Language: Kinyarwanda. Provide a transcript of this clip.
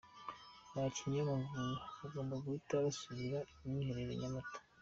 Abakinnyi b'Amavubi bagomba guhita basubira mu mwiherero i Nyamata .